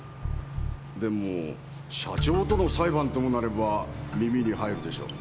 でも社長との裁判ともなれば耳に入るでしょう。